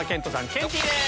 ケンティーです。